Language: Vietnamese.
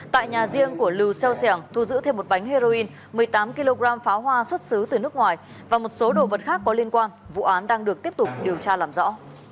tại nhà riêng của lưu xeo xẻng thu giữ thêm một bánh heroin một mươi tám kg pháo hoa xuất xứ từ nước ngoài và một số đồ vật khác có liên quan vụ án đang được tiếp tục điều tra làm rõ